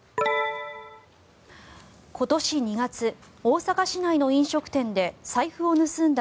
今年２月大阪市内の飲食店で財布を盗んだ